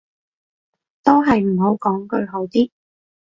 都係唔好講佢好啲